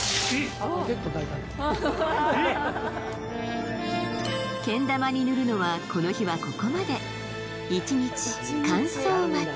あ結構大胆にけん玉に塗るのはこの日はここまで１日乾燥待ち